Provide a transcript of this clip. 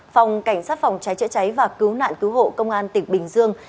phòng cảnh sát phòng cháy chữa cháy và cứu nạn cứu hộ công an tỉnh bình dương